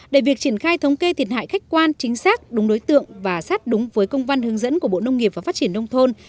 để việc triển khai thống kê thiệt hại khách quan chính xác đúng đối tượng và sát đúng với công văn hướng dẫn của bộ nông nghiệp và phát triển nông thôn